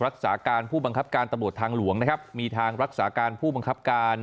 รักษาการผู้บังคับการตำรวจทางหลวงนะครับมีทางรักษาการผู้บังคับการ